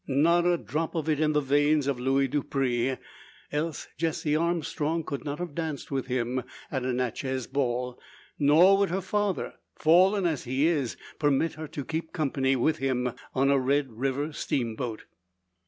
Not a drop of it in the veins of Luis Dupre; else Jessie Armstrong could not have danced with him at a Natchez ball; nor would her father, fallen as he is, permit her to keep company with him on a Red River steamboat.